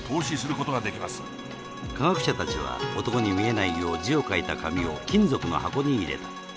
科学者たちは男に見えないよう字を書いた紙を金属の箱に入れた